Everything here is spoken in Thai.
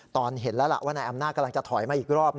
ตอนเห็นแล้วล่ะว่านายอำนาจกำลังจะถอยมาอีกรอบ